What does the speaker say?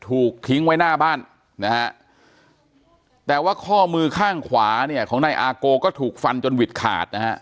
ถูกทิ้งไว้หน้าบ้านนะฮะแต่ว่าข้อมือข้างขวาเนี่ยของนายอาโกก็ถูกฟันจนหวิดขาดนะฮะ